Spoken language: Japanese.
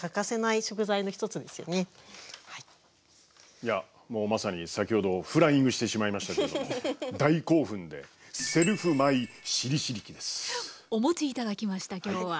いやもうまさに先ほどフライングしてしまいましたけど大興奮でお持ち頂きました今日は。